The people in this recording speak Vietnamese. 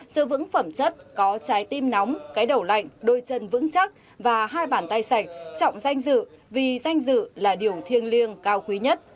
sự vững phẩm chất có trái tim nóng cái đầu lạnh đôi chân vững chắc và hai bàn tay sạch trọng danh dự vì danh dự là điều thiêng liêng cao quý nhất